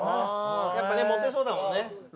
やっぱねモテそうだもんね。